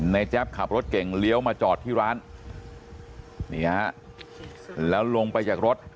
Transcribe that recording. แจ๊บขับรถเก่งเลี้ยวมาจอดที่ร้านนี่ฮะแล้วลงไปจากรถ